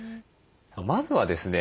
まずはですね